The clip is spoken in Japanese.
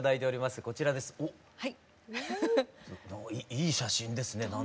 おっいい写真ですね